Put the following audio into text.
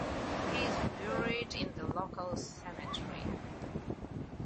He is buried in the local cemetery.